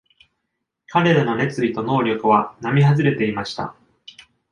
彼らの熱意と能力は並外れていました。